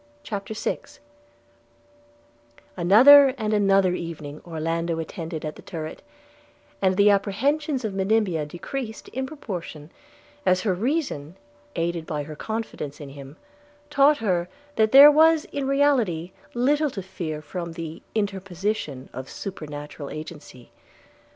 CHAPTER VI ANOTHER and another evening Orlando attended at the turret, and the apprehensions of Monimia decreased in proportion as her reason, aided by her confidence in him, taught her that there was in reality little to fear from the interposition of supernatural agency.